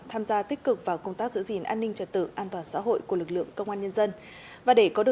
tham gia tích cực vào công tác giữ gìn an ninh trật tự an toàn xã hội của lực lượng công an nhân dân